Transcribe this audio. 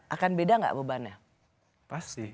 akan beda gak bebannya